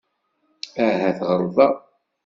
Ahat ɣelḍeɣ.